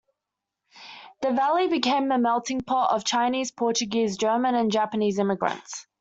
The Valley became a melting pot of Chinese, Portuguese, German, and Japanese immigrants.